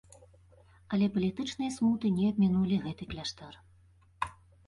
Але палітычныя смуты не абмінулі гэты кляштар.